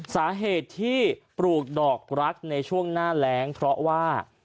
สาเหตุที่ปลูกดอกรักในช่วงหน้าแรงเพราะว่า